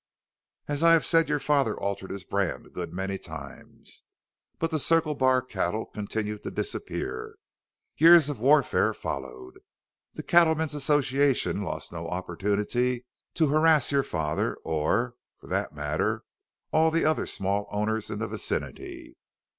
"As I have said your father altered his brand a good many times. But the Circle Bar cattle continued to disappear. Years of warfare followed. The Cattlemen's Association lost no opportunity to harass your father or, for that matter, all the other small owners in the vicinity.